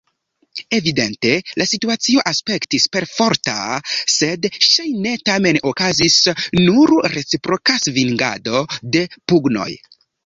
Evidente la situacio aspektis perforta, sed ŝajne tamen okazis nur reciproka svingado de pugnoj.